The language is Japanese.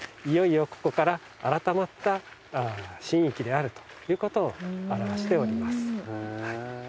いよいよここから改まった神域であるということを表しております。